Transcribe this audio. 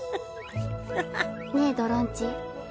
ねえドロンチ。